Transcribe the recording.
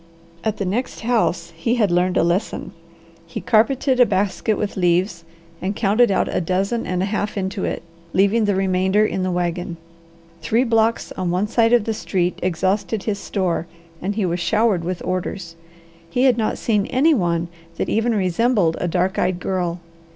At the next house he had learned a lesson. He carpeted a basket with leaves and counted out a dozen and a half into it, leaving the remainder in the wagon. Three blocks on one side of the street exhausted his store and he was showered with orders. He had not seen any one that even resembled a dark eyed girl.